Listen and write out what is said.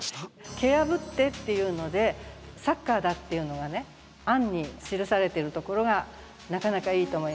「蹴やぶって」っていうのでサッカーだっていうのが暗に記されているところがなかなかいいと思います。